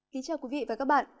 xin chào quý vị và các bạn